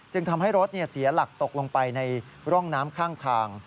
ทำให้รถเสียหลักตกลงไปในร่องน้ำข้างทาง